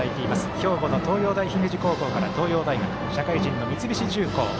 兵庫の東洋大姫路高校から東洋大学、社会人の三菱重工。